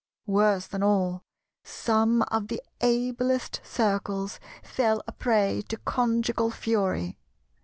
Worse than all, some of the ablest Circles fell a prey to conjugal fury.